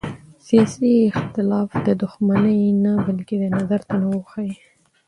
سیاسي اختلاف دښمني نه بلکې د نظر تنوع ښيي